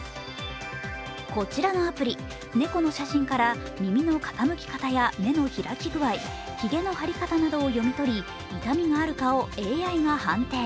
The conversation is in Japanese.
こちらのアプリ、猫の写真から耳の傾き方や目の開き具合、ひげの張り方などを読み取り、痛みがあるかをＡＩが判定。